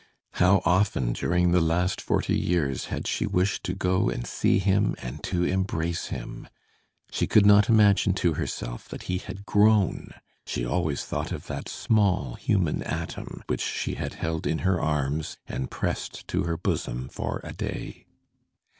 How often during the last forty years had she wished to go and see him and to embrace him! She could not imagine to herself that he had grown! She always thought of that small human atom which she had held in her arms and pressed to her bosom for a day.